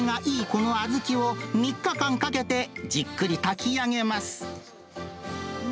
この小豆を３日間かけてじっくり炊き上げます。